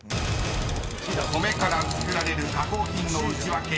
［米から作られる加工品のウチワケ］